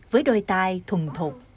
với đôi tay thuần thuộc